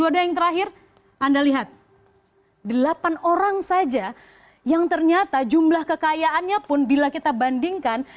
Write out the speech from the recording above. dan yang terakhir anda lihat delapan orang saja yang ternyata jumlah kekayaannya pun bila kita bandingkan